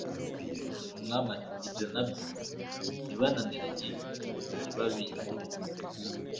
Umwami ati ibyo na byo ntibinaniranye nibabigire